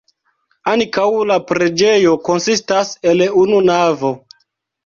Ankaŭ la preĝejo konsistas el unu navo.